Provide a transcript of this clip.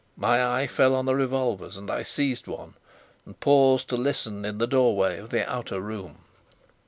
My eye fell on the revolvers, and I seized one; and paused to listen in the doorway of the outer room.